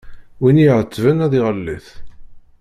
Win iɛettben ad iɣellet.